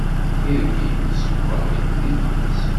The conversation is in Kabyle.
Tirgin zeggaɣit di tmes.